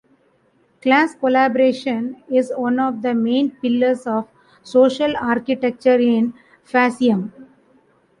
Class collaboration is one of the main pillars of social architecture in fascism.